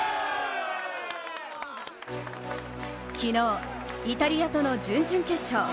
昨日イタリアとの準々決勝。